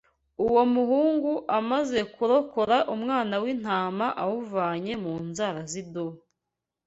Uwo muhungu amaze kurokora umwana w’intama awuvanye mu nzara z’idubu.